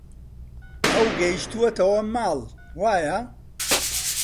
ئەو گەیشتووەتەوە ماڵ، وایە؟